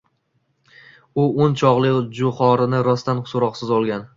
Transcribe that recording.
U o‘n chogʻli joʻhorini rostdan soʻroqsiz olgan